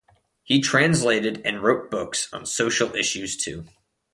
He translated and wrote books on social issues too.